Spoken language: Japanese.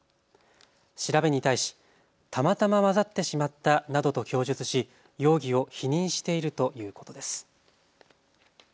調べに対したまたま混ざってしまったなどと供述し容疑を否認しているということです。